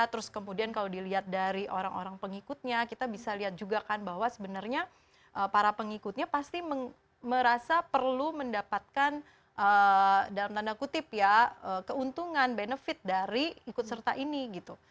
terus kemudian kalau dilihat dari orang orang pengikutnya kita bisa lihat juga kan bahwa sebenarnya para pengikutnya pasti merasa perlu mendapatkan dalam tanda kutip ya keuntungan benefit dari ikut serta ini gitu